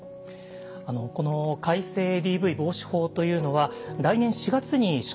この改正ＤＶ防止法というのは来年４月に施行されます。